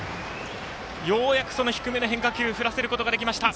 ようやく、その低めの変化球振らせることができました。